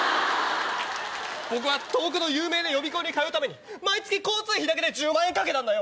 僕は遠くの有名な予備校に通うために毎月交通費だけで１０万円かけたんだよ。